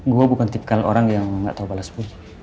gue bukan tipikal orang yang gak terbalas puji